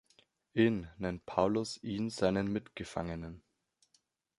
In nennt Paulus ihn seinen Mitgefangenen.